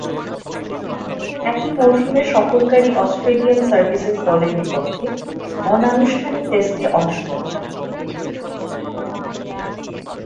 একই মৌসুমে সফরকারী Australian services দলের বিপক্ষে অনানুষ্ঠানিক টেস্টে অংশ নেন।